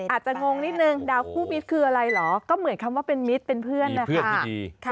อาจจะงงนิดนึงดาวคู่เม็ดคืออะไรหรอก็เหมือนคำว่าเป็นเม็ดเป็นเพื่อนนะคะ